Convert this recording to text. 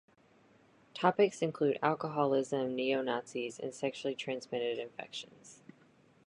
Topics include alcoholism, Neo Nazis and sexually transmitted infections.